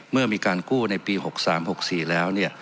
เมื่อมีการกู้ในปี๖๓๖๔แล้ว